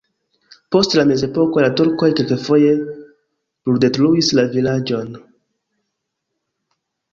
Post la mezepoko la turkoj kelkfoje bruldetruis la vilaĝon.